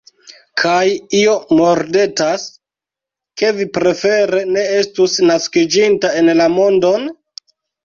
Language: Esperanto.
Kaj io mordetas, ke vi prefere ne estus naskiĝinta en la mondon?